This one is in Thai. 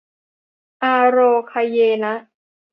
อาโรคะเยนะ